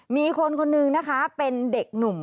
มีคนคนนึงนะคะเป็นเด็กหนุ่ม